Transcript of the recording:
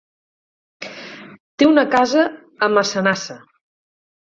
Té una casa a Massanassa.